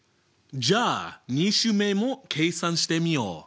じゃあ２週目も計算してみよう。